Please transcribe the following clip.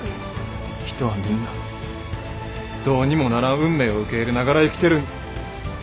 人はみんなどうにもならん運命を受け入れながら生きてるんや。